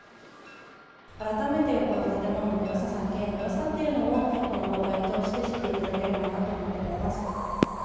改めてこの建物のよさ、三渓園のよさっていうのをこの公開を通して知っていただければな